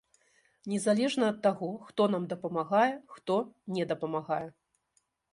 Незалежна ад таго, хто нам дапамагае, хто не дапамагае.